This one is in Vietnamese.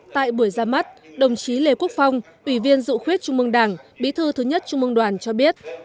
tại buổi ra mắt đồng chí lê quốc phong ủy viên dự khuyết trung mương đảng bí thư thứ nhất trung mương đoàn cho biết